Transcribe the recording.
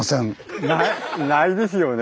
ないですよね。